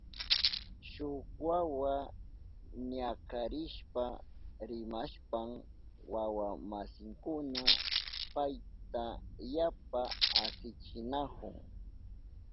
Shuk wawa ñakarishpa rimashpan wawa masinkuna payta yapa asichinahun.